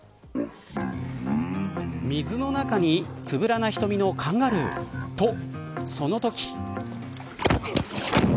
水の中につぶらな瞳のカンガルーと、そのとき。